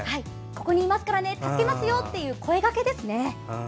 ここにいますからね助けますよという声かけです。